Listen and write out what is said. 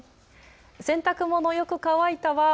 洗濯物よく乾いたワン。